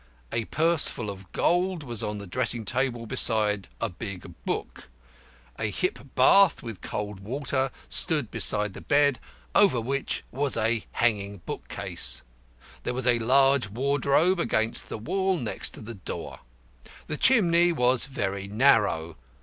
A purse full of gold was on the dressing table beside a big book. A hip bath, with cold water, stood beside the bed, over which was a hanging bookcase. There was a large wardrobe against the wall next to the door. The chimney was very narrow.